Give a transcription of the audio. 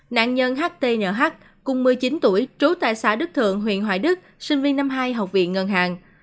nạn nhân htnh cùng một mươi chín tuổi trú tại xã đức thượng huyện hoài đức sinh viên năm hai học viện ngân hàng